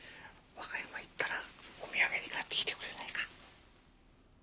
和歌山行ったらお土産に買ってきてくれないか？